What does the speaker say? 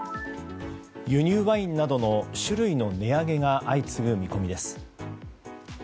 輸入ワインなどの酒類の値上げが相次ぐ見込みです。